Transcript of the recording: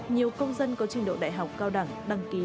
nhiều công dân có trình độ đại học cao đẳng đăng ký